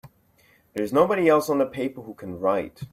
There's nobody else on the paper who can write!